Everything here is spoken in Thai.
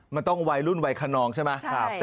มันต้องไวรุ่นไวขนองใช่ไหมใช่